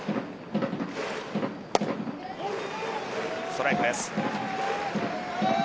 ストライクです。